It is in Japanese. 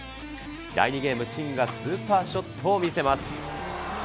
第２ゲーム、陳がスーパーショットを見せます。